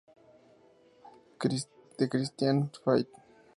The Christian Faith.